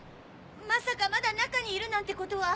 まさかまだ中にいるなんてことは。